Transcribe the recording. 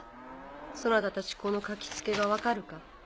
そなたたちこの書き付けが分かるか？